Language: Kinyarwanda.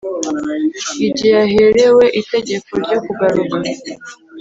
igihe yaherewe itegeko ryo kugaruka